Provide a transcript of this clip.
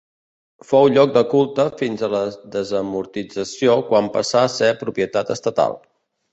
Fou lloc de culte fins a la desamortització, quan passà a ser propietat estatal.